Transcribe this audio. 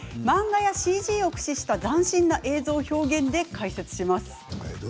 漫画やＣＧを駆使した斬新な映像表現で解説します。